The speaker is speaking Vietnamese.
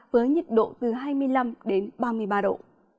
với nhiệt độ từ hai mươi năm đến ba mươi ba độ